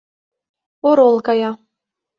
Орол кая.